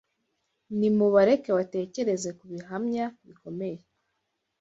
Nimubareke batekereze ku bihamya bikomeye